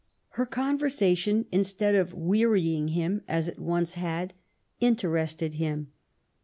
Her conversation, instead of wearying him, as it once had, interested him.